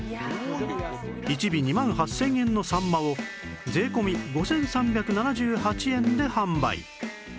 １尾２万８０００円のサンマを税込５３７８円で販売